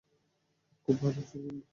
খুব ভাল, সিম্বা!